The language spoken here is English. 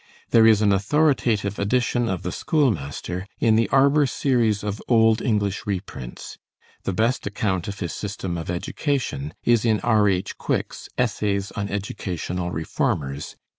There is an authoritative edition of the 'Schoolmaster' in the Arber Series of old English reprints. The best account of his system of education is in R.H. Quick's 'Essays on Educational Reformers' (1868).